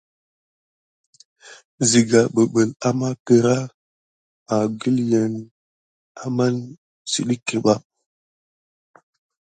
Sigan bibilà amà kera akulin kunane zukuɓa.